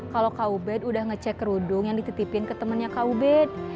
kalau kau bed udah ngecek kerudung yang dititipin ke temennya kak ubed